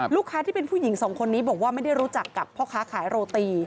ที่เป็นผู้หญิงสองคนนี้บอกว่าไม่ได้รู้จักกับพ่อค้าขายโรตี